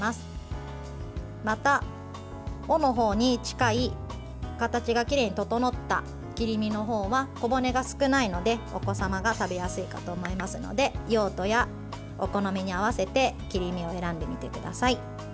また、尾のほうに近い形がきれいに整った切り身のほうは小骨が少ないので、お子様が食べやすいかと思いますので用途やお好みに合わせて切り身を選んでみてください。